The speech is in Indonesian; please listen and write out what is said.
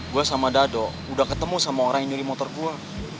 gue sama dado udah ketemu sama orang yang nyuri motor gue